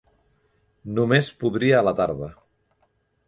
Només podria a la tarda.